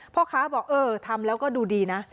พ่อค้าบอกเออทำแล้วก็ดูดีนะ